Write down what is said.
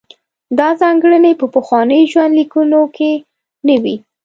دا ځانګړنې په پخوانیو ژوندلیکونو کې نه وې.